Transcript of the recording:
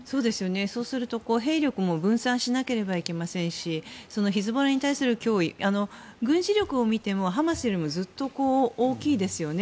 そうすると兵力も分散しなければいけませんしヒズボラに対する脅威としても軍事力を見てもハマスよりもずっと大きいですよね。